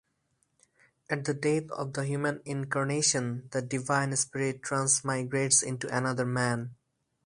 At the death of the human incarnation, the divine spirit transmigrates into another man.